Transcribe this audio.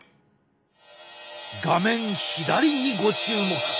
画面左にご注目。